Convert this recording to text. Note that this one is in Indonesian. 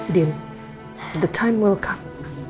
dil waktu akan datang